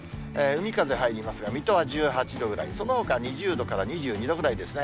海風入りますが、水戸は１８度ぐらい、そのほか２０度から２２度ぐらいですね。